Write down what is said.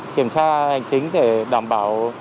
kiểm tra hành chính để đảm bảo